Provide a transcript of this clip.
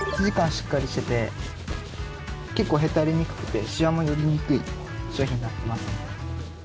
しっかりしてて結構へたれにくくてしわも寄りにくい商品になってます。